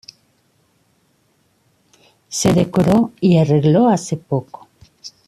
Se decoró y arregló hace poco.